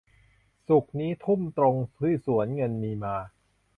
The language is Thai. ศุกร์นี้ทุ่มตรงที่สวนเงินมีมา